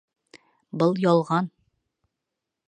Был ялған